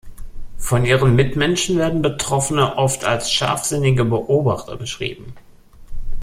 Von ihren Mitmenschen werden Betroffene oft als scharfsinnige Beobachter beschrieben.